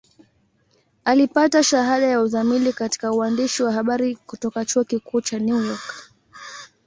Alipata shahada ya uzamili katika uandishi wa habari kutoka Chuo Kikuu cha New York.